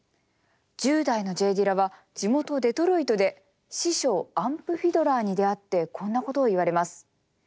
１０代のＪ・ディラが地元デトロイトで師匠アンプ・フィドラーに出会ってこんなことを言われます。